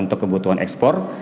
ataupun kebutuhan ekspor